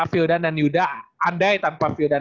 vildan dan yuda andai tanpa vildan